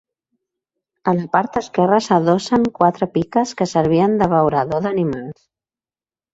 A la part esquerra s'adossen quatre piques que servien d'abeurador d'animals.